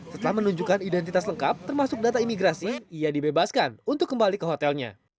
setelah menunjukkan identitas lengkap termasuk data imigrasi ia dibebaskan untuk kembali ke hotelnya